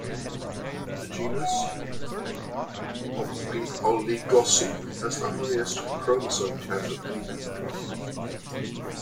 The genus "Ophioglossum" has the highest chromosome counts of any known plant.